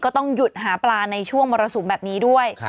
ก็ต้องหยุดหาปลาในช่วงมรสุมแบบนี้ด้วย